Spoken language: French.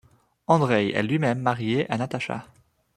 Andreï est lui-même marié à Natacha.